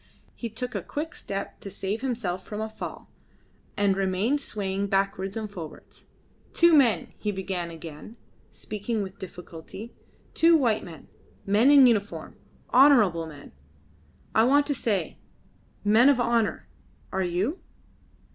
He took a quick step to save himself from a fall, and remained swaying backwards and forwards. "Two men," he began again, speaking with difficulty. "Two white men men in uniform honourable men. I want to say men of honour. Are you?"